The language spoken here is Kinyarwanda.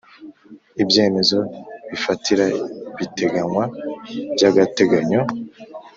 Ibyemezo bifatira biteganywa by agateganyo